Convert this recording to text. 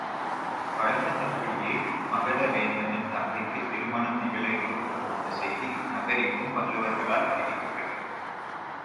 வழக்கத்தின்படியே மகதவேந்தனின் தங்கைக்குத் திருமணம் நிகழ இருக்கும் அந்தச் செய்தி, நகர் எங்கும் வள்ளுவர்களால் அறிவிக்கப் பெற்றது.